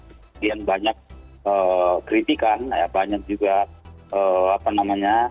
kemudian banyak kritikan banyak juga apa namanya